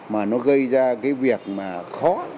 mà nó gây ra cái việc mà khó